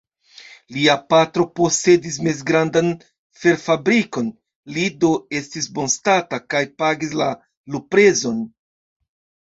Lia patro posedis mezgrandan ferfabrikon, li do estis bonstata kaj pagis la luprezon.